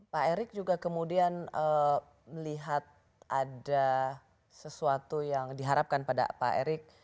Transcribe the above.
pak erick juga kemudian melihat ada sesuatu yang diharapkan pada pak erik